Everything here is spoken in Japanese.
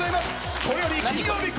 これより金曜日恒例